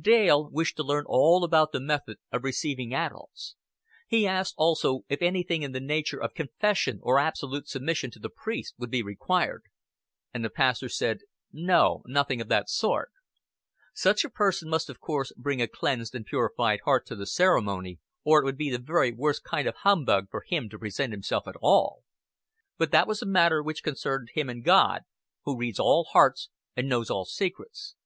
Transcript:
Dale wished to learn all about the method of receiving adults; he asked also if anything in the nature of confession or absolute submission to the priest would be required. And the pastor said, "No, nothing of the sort." Such a person must of course bring a cleansed and purified heart to the ceremony, or it would be the very worst kind of humbug for him to present himself at all. But that was a matter which concerned him and God, who reads all hearts and knows all secrets.